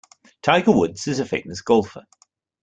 Tiger Woods is a famous golfer.